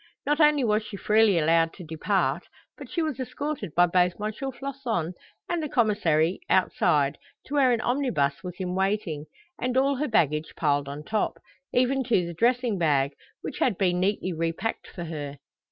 Not only was she freely allowed to depart, but she was escorted by both M. Floçon and the Commissary outside, to where an omnibus was in waiting, and all her baggage piled on top, even to the dressing bag, which had been neatly repacked for her.